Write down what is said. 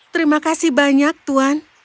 terima kasih banyak tuan